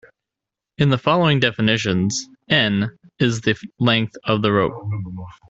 In the following definitions, "N" is the length of the rope.